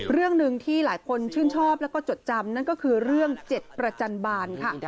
เรื่องหนึ่งที่หลายคนชื่นชอบแล้วก็จดจำนั่นก็คือเรื่อง๗ประจันบาลค่ะ